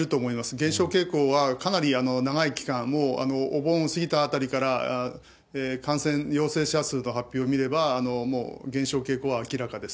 減少傾向はかなり長い期間、もうお盆過ぎたあたりから、感染、陽性者数の発表を見れば、もう減少傾向は明らかです。